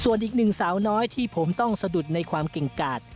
ส่วนอีกหนึ่งสาวน้อยที่ผมต้องสะดุดในความเก่งกาด